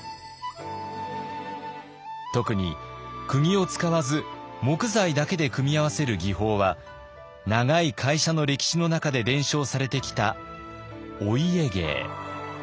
特にくぎを使わず木材だけで組み合わせる技法は長い会社の歴史の中で伝承されてきたお家芸。